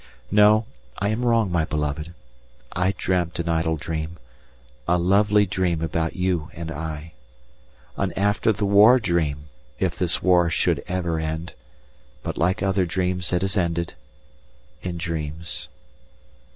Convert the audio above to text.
No, I am wrong, my beloved. I dreamt an idle dream, a lovely dream about you and I. An after the war dream, if this war should ever end, but like other dreams it has ended in dreams.